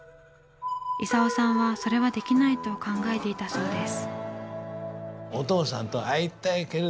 功さんはそれはできないと考えていたそうです。